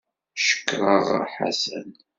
Cekṛeɣ Ḥasan.